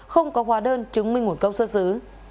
không có hòa đơn chứng minh nguồn gốc xuất xứ